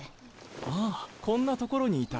あぁこんな所にいた。